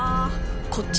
こっち？